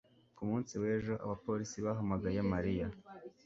Ku munsi w'ejo, abapolisi bahamagaye Mariya.